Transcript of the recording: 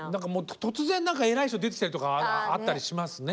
突然何か偉い人出てきたりとかあったりしますね。